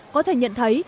có thể nhận thấy